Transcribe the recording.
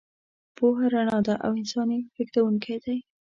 پوهه رڼا ده او انسان یې لېږدونکی دی.